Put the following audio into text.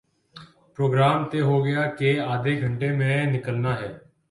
programme طے ہو گیا کہ آدھےگھنٹے میں نکلنا ہے